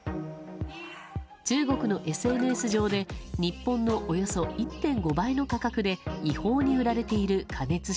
中国のＳＮＳ上で日本のおよそ１．５倍の価格で違法に売られている加熱式